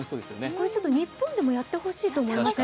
これ、日本でもやってほしいと思いません？